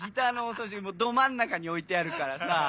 ど真ん中に置いてあるからさ。